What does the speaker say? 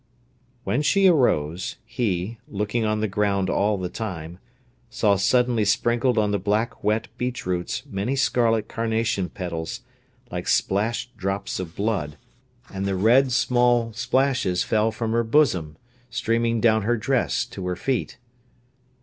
When she arose, he, looking on the ground all the time, saw suddenly sprinkled on the black wet beech roots many scarlet carnation petals, like splashed drops of blood; and red, small splashes fell from her bosom, streaming down her dress to her feet.